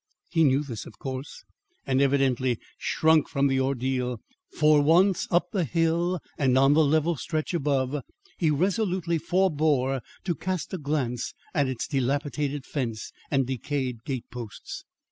He knew this of course, and evidently shrunk from the ordeal, for once up the hill and on the level stretch above, he resolutely forbore to cast a glance at its dilapidated fence and decayed gate posts.